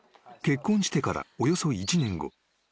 ［結婚してからおよそ１年後］